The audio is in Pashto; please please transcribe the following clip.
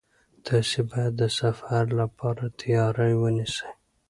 تاسي باید د سفر لپاره تیاری ونیسئ.